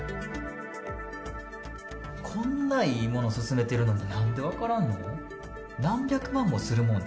こんないいもの勧めてるのに、なんで分からんの？